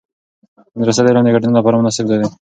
مدرسه د علم د ګټنې لپاره مناسب ځای دی.